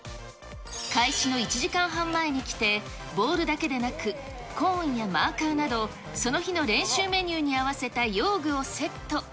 開始の１時間半前に来て、ボールだけでなくコーンやマーカーなど、その日の練習メニューに合わせた用具をセット。